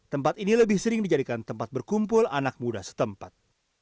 tempat ini lebih sering dijadikan tempat berkumpul anak muda setempat